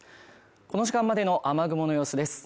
この時間までの雨雲の様子です。